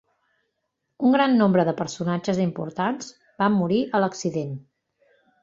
Un gran nombre de personatges importants van morir a l'accident.